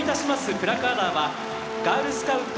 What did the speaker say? プラカーダーはガールスカウト